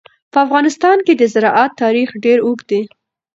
په افغانستان کې د زراعت تاریخ ډېر اوږد دی.